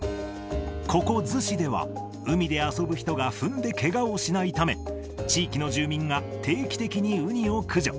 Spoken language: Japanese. ここ逗子では、海で遊ぶ人が踏んでけがをしないため、地域の住民が定期的にウニを駆除。